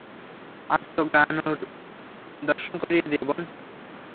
আজ তো গাঙুর দর্শন করিয়ে দে, বোন।